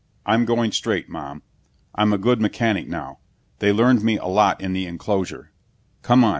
I'm going straight, Mom. I'm a good mechanic now. They learned me a lot in the enclosure. Come on.